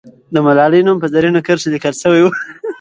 د ملالۍ نوم په زرینو کرښو لیکل سوی.